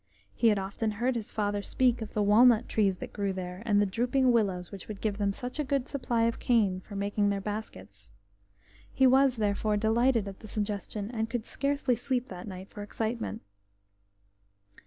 He had often heard his father speak of the walnut trees that grew there and the drooping willows which would give them such a good supply of cane for making their baskets. He was, therefore, delighted at the suggestion, and could scarcely sleep that night for excitement.